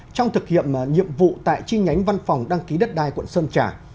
trong thực hiện nhiệm vụ tại chi nhánh văn phòng đăng ký đất đai quận sơn trà